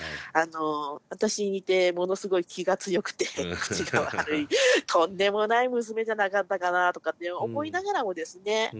私に似てものすごい気が強くて口が悪いとんでもない娘じゃなかったかなとかって思いながらもですね